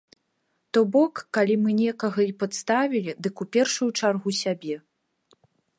То бок, калі мы некага і падставілі, дык у першую чаргу сябе!